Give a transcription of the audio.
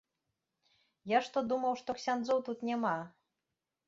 Я ж то думаў, што ксяндзоў тут няма.